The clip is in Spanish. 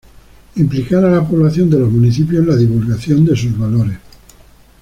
implicar a la población de los municipios en la divulgación de sus valores